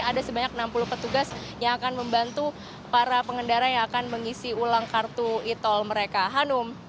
ada sebanyak enam puluh petugas yang akan membantu para pengendara yang akan mengisi ulang kartu e tol mereka hanum